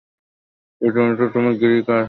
প্রথমত, তুমি গ্রীক আর জার্মান ভাষায় কথা বলতে পারো।